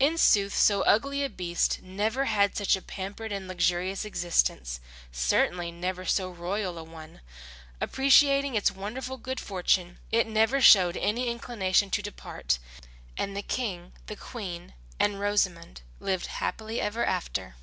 In sooth so ugly a beast never had such a pampered and luxurious existence, certainly never so royal a one. Appreciating its wonderful good fortune, it never showed any inclination to depart; and the King, the Queen, and Rosamund lived happily ever after.